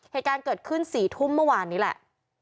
เหตุการณ์เกิดขึ้น๔ทุ่มเมื่อวานนี้แหละ